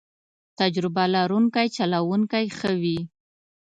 تجربه لرونکی چلوونکی ښه وي.